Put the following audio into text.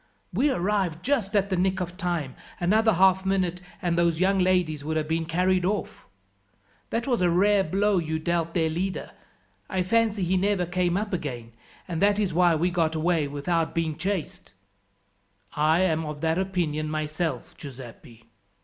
We arrived just at the nick of time; another half minute and those young ladies would have been carried off. That was a rare blow you dealt their leader. I fancy he never came up again, and that that is why we got away without being chased." "I am of that opinion myself, Giuseppi."